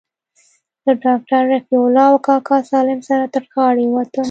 له ډاکتر رفيع الله او کاکا سالم سره تر غاړې ووتم.